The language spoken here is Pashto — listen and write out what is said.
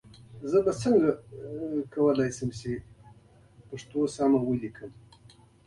څنګه کولای شم پښتو سم ولیکم ؟